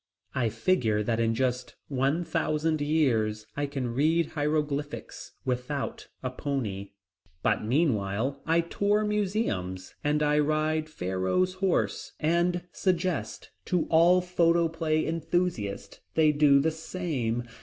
I figure that in just one thousand years I can read hieroglyphics without a pony. But meanwhile, I tour museums and I ride Pharaoh's "horse," and suggest to all photoplay enthusiasts they do the same.